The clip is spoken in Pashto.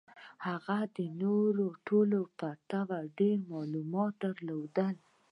هغه د نورو ټولو په پرتله ډېر معلومات درلودل